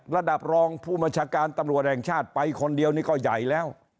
ระดับรองผู้บัญชาการตำรวจแห่งชาติไปคนเดียวนี่ก็ใหญ่แล้ว